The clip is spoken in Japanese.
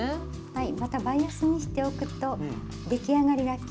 はい。